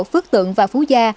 phước tượng và phú gia